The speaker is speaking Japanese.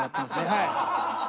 はい。